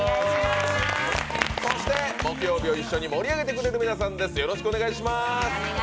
そして、木曜日を一緒に盛り上げてくれる皆さんです。